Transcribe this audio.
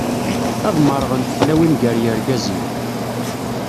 Ad merrɣent tlawin gar yirgazen.